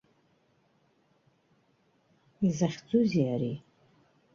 Изахьӡузеи ари!